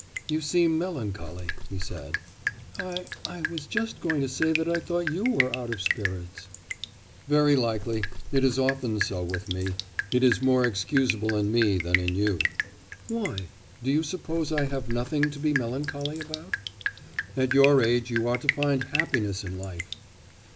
'You seem melancholy,' he said. 'I I was just going to say that I thought you were out of spirits.' 'Very likely it is often so with me. It is more excusable in me than in you.' 'Why? Do you suppose I have nothing to be melancholy about?' 'At your age you ought to find happiness in life.